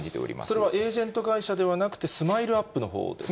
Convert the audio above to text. それはエージェント会社ではなくて、スマイルアップのほうですか。